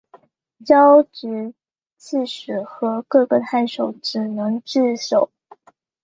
交址刺史和各个太守只能自守。